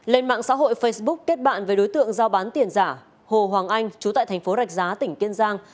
lên mạng xã hội facebook kết bạn với đối tượng giao bán tiền giả hồ hoàng anh chú tại thành phố rạch giá tỉnh kiên giang